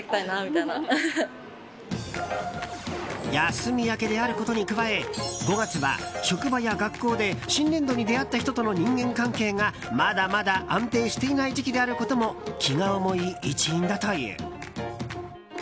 休み明けであることに加え５月は職場や学校で新年度に出会った人との人間関係が、まだまだ安定していない時期であることも気が重い一因だという。